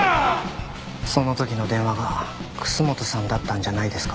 その時の電話が楠本さんだったんじゃないですか。